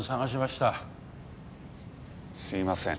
すいません